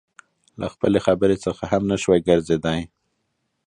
له خپلې خبرې څخه هم نشوى ګرځېدى.